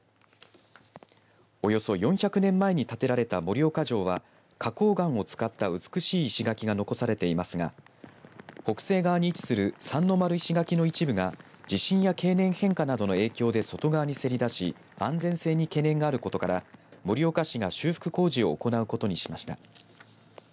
およそ４００年前に建てられた盛岡城は花こう岩を使った美しい石垣が残されていますが北西側に位置する三ノ丸石垣の一部が地震や経年変化などの影響で外側にせり出し安全性に懸念があることから盛岡市が修復工事を行うことにしました。